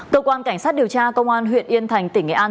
cơ quan cảnh sát điều tra công an huyện yên thành tỉnh nghệ an